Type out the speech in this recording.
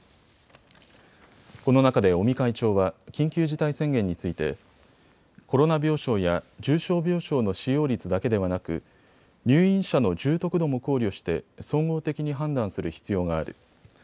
この中で尾身会長は緊急事態宣言についてコロナ病床や重症病床の使用率だけではなく入院者の重篤度も考慮して総合的に判断する必要がある。